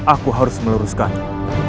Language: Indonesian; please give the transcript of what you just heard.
aku harus meluruskannya